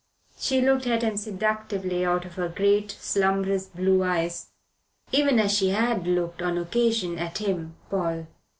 She looked at him seductively out of her great, slumberous blue eyes, even as she had looked, on occasion, at him, Paul.